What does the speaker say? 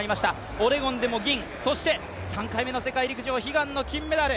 オレゴンでも銀、そして３回目の世界陸上、悲願の金メダル